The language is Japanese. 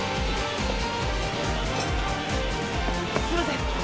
すいません。